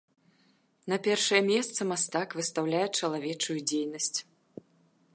На першае месца мастак выстаўляе чалавечую дзейнасць.